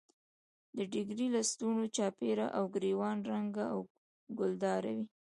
د ډیګرې لستوڼو چاپېره او ګرېوان رنګه او ګلدار وي.